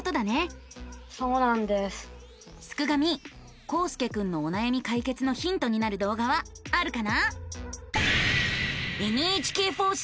すくガミこうすけくんのおなやみ解決のヒントになる動画はあるかな？